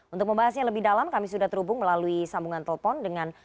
untuk membahasnya lebih dalam kami sudah terhubung melalui sambungan telepon dengan